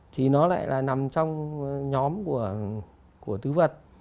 thì nó lại là nằm trong nhóm của tứ vật